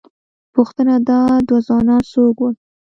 پوښتنه، دا دوه ځوانان څوک ول؟